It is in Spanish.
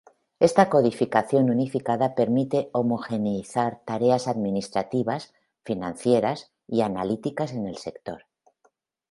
Esta codificación unificada permite homogeneizar tareas administrativas, financieras y analíticas en el sector.